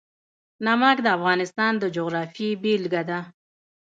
نمک د افغانستان د جغرافیې بېلګه ده.